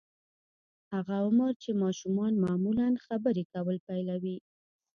هغه عمر چې ماشومان معمولاً خبرې کول پيلوي.